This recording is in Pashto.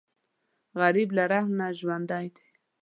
غریب له رحم نه ژوندی دی